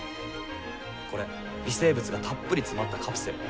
これ微生物がたっぷり詰まったカプセル。